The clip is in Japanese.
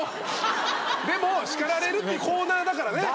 でも叱られるっていうコーナーだからねだから。